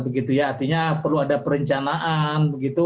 begitu ya artinya perlu ada perencanaan begitu